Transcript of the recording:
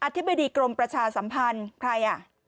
ธิบดีกรมประชาสัมพันธ์ใครอ่ะ